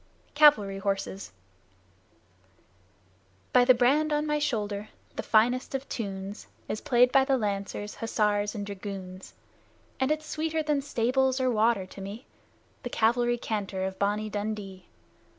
CAVALRY HORSES By the brand on my shoulder, the finest of tunes Is played by the Lancers, Hussars, and Dragoons, And it's sweeter than "Stables" or "Water" to me The Cavalry Canter of "Bonnie Dundee"!